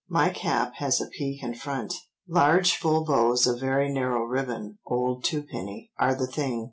My cap has a peak in front. Large full bows of very narrow ribbon (old twopenny) are the thing.